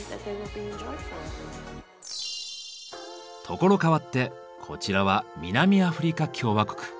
所変わってこちらは南アフリカ共和国。